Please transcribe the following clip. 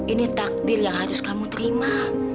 ini takdir yang harus kamu terima